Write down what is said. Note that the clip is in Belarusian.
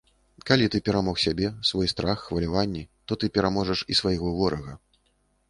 Калі ты перамог сябе, свой страх, хваляванні, то ты пераможаш і свайго ворага.